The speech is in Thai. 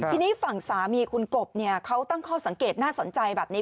ทีนี้ฝั่งสามีคุณกบเขาตั้งข้อสังเกตน่าสนใจแบบนี้